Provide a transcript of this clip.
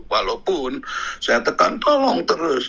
walaupun saya tekan tolong terus